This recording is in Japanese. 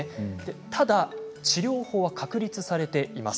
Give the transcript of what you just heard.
ただ治療法は確立されています。